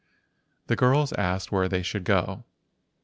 The girls asked where they should go.